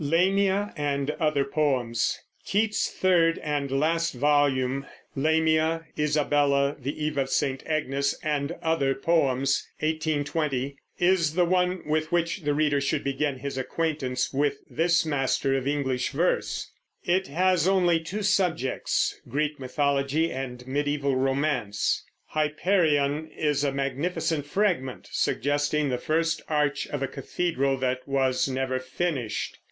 Keats's third and last volume, Lamia, Isabella, The Eve of St. Agnes, and Other Poems (1820), is the one with which the reader should begin his acquaintance with this master of English verse. It has only two subjects, Greek mythology and mediæval romance. "Hyperion" is a magnificent fragment, suggesting the first arch of a cathedral that was never finished.